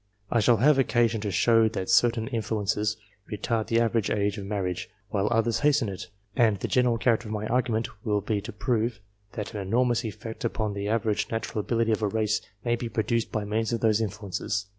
I shall have occasion to show that certain influences retard the average age of marriage, while others hasten it ; and the general character of my argument will be to prove, that an enormous effect upon the average natural ability of a race may be produced by means of those influences.